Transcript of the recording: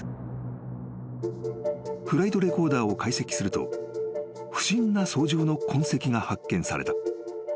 ［フライトレコーダーを解析すると不審な操縦の痕跡が発見された］